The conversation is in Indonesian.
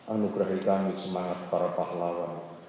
anugerahi kami semangat para pahlawan